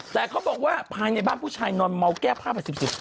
แต่เขาบอกว่าภายในบ้านผู้ชายนอนเมาแก้ผ้าแบบสิบ